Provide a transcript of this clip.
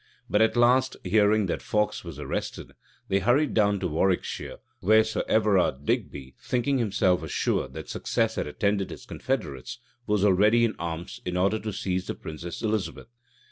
[*] But at last, hearing that Fawkes was arrested, they hurried down to Warwickshire; where Sir Everard Digby, thinking himself assured that success had attended his confederates, was already in arms, in order to seize the princess Elizabeth.